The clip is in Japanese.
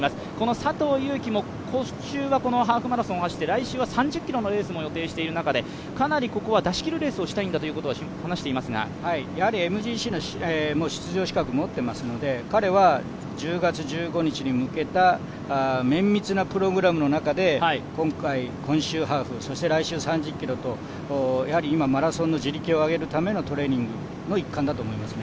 佐藤悠基も今週はこのハーフマラソンを走って来週は３０ｋｍのレースも予定している中で、ここは出し切るレースをしていきたいと話していますがＭＧＣの出場資格を持っていますので、彼は１０月１５日に向けた綿密なプログラムの中で今回、今週ハーフ、来週３０ｋｍと今、マラソンの自力を上げるためのトレーニングの一環だと思いますね。